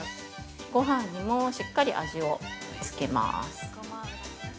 ごはんにもしっかり味をつけます。